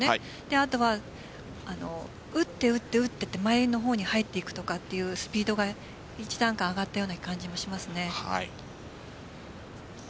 あとは打って打ってって前の方に入っていくとかスピードが一段階上がったような感じがしますね。